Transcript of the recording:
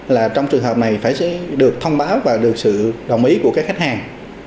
là trong trường hợp này phải sẽ được thông báo và được sự đồng ý của các khách hàng